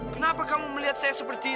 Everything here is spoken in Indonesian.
kenapa kamu melihat saya seperti